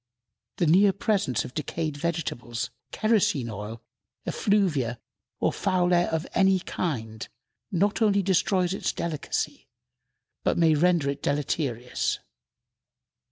The near presence of decayed vegetables, kerosene oil, effluvia, or foul air of any kind, not only destroys its delicacy, but may render it deleterious.